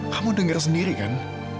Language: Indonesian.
kamu denger sendiri kan